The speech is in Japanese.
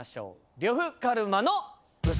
呂布カルマの嘘。